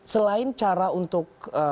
selain cara untuk